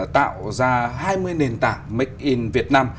tạo ra hai mươi nền tảng make in việt nam